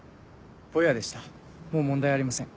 ボヤでしたもう問題ありません。